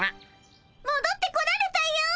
もどってこられたよ！